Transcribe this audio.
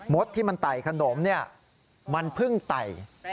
ดที่มันไต่ขนมเนี่ยมันเพิ่งไต่